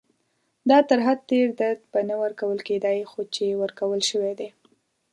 دا تر حد تېر درد به نه ورکول کېدای، خو چې ورکول شوی دی.